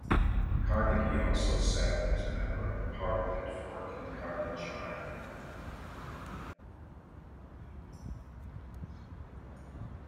Carnegie also sat as a Member of Parliament for Kincardineshire.